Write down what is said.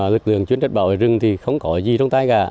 lực lượng chuyên trách bảo vệ rừng thì không có gì trong tay cả